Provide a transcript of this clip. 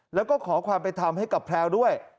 แล้วก็ขอความเป็นธรรมให้กับแพลวด้วย